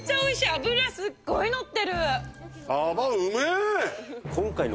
脂すごいのってる！